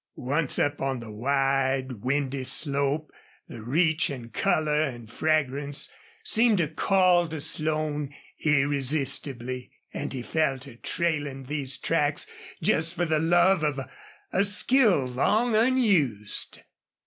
Once up on the wide, windy slope the reach and color and fragrance seemed to call to Slone irresistibly, and he fell to trailing these tracks just for the love of a skill long unused.